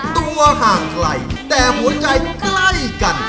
ตัวห่างไกลแต่หัวใจใกล้กัน